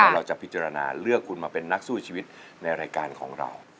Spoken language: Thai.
เราจะพิจารณาเลือกคุณมาเป็นนักสู้ชีวิตในรายการของเรา